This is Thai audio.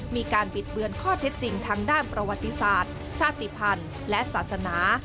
มีการบิดเบือนข้อเท็จจริงทางด้านประวัติศาสตร์ชาติภัณฑ์และศาสนา